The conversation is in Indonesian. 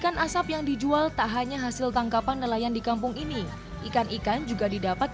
ikan asap yang dijual tak hanya hasil tangkapan nelayan di kampung ini ikan ikan juga didapat